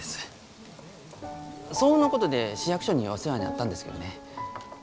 騒音のことで市役所にお世話になったんですけどね。